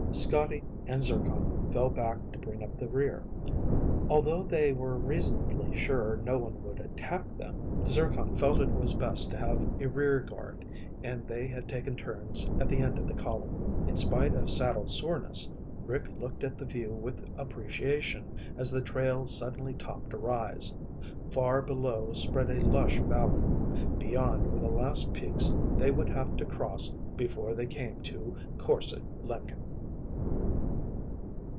Scotty and Zircon fell back to bring up the rear. Although they were reasonably sure no one would attack them, Zircon felt it was best to have a rear guard and they had taken turns at the end of the column. In spite of saddle soreness, Rick looked at the view with appreciation as the trail suddenly topped a rise. Far below spread a lush valley. Beyond were the last peaks they would have to cross before they came to Korse Lenken.